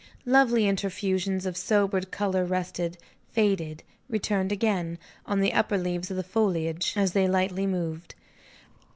Lovely interfusions of sobered color rested, faded, returned again, on the upper leaves of the foliage as they lightly moved.